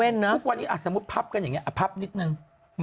ทุกวันนี้สมมุติพับกันอย่างนี้พับนิดนึง